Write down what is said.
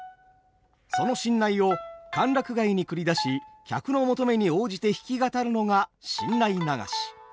その新内を歓楽街に繰り出し客の求めに応じて弾き語るのが新内流し。